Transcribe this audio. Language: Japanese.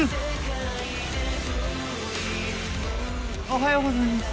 おはようございます。